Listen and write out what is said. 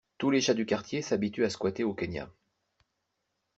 Tous les chats du quartier s'habituent à squatter au Kenya.